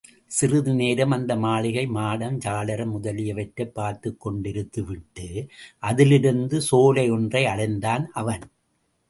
சிறிது நேரம் அந்த மாளிகை, மாடம், சாளரம் முதலியவற்றைப் பார்த்துக் கொண்டிருந்துவிட்டு, அருகிலிருந்த சோலை ஒன்றை அடைந்தான் அவன்.